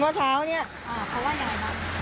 เมื่อเช้าเนี่ยอ่าเขาว่ายังไงบ้าง